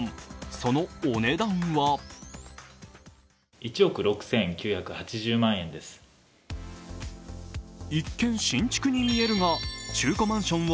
そのお値段は一見、新築に見えるが中古マンションを